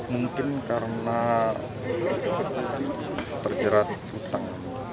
mungkin karena terjerat hutang